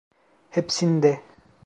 Hepsinde.